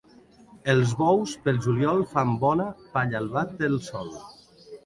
Els bous, pel juliol, fan bona palla al bat del sol.